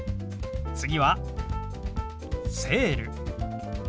次は「セール」。